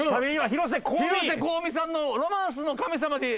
広瀬香美さんの『ロマンスの神様』。